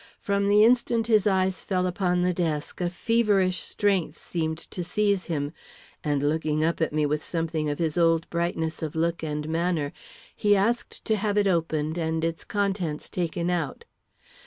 From the instant his eyes fell upon the desk, a feverish strength seemed to seize him, and looking up at me with something of his old brightness of look and manner, he asked to have it opened and its contents taken out.